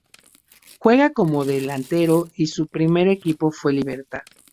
Juega como delantero y su primer equipo fue Libertad.